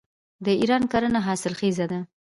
د ایران کرنه حاصلخیزه ده.